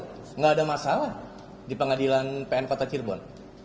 tidak ada masalah di pengadilan pn kota cirebon